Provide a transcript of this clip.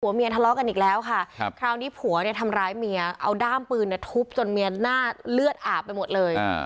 เมียทะเลาะกันอีกแล้วค่ะคราวนี้ผัวเนี่ยทำร้ายเมียเอาด้ามปืนทุบจนเมียหน้าเลือดอาบไปหมดเลย